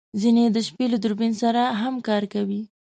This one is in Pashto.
ځینې یې د شپې له دوربین سره هم کار کوي